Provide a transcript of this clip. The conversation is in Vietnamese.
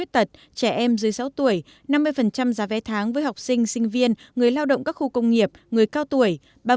trẻ em dưới sáu tuổi năm mươi giá vé tháng với học sinh sinh viên người lao động các khu công nghiệp người cao tuổi